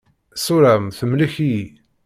Ssura-m temlek-iyi.